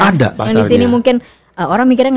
ada yang disini mungkin orang mikirnya